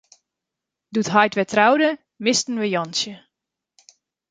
Doe't heit wer troude, misten we Jantsje.